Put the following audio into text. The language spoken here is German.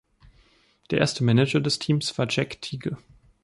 Der erste Manager des Teams war Jack Tighe.